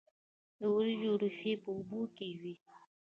د وریجو ریښې په اوبو کې وي.